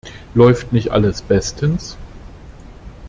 Läuft nicht alles bestens?